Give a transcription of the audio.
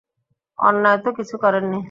অন্যায় তো কিছু করেননি।